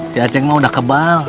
si acing mau udah kebangunan